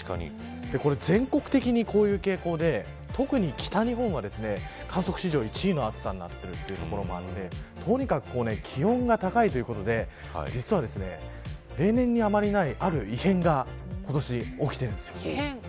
これ、全国的にこういう傾向で特に北日本は、観測史上１位の暑さになっている所もあってとにかく気温が高いというところで実は例年にあまりないある異変が今年は起きているんです。